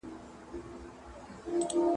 نور په داسي ظالمانو زړه ښه نه کړئ!